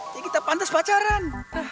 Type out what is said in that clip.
jadi kita pantas pacaran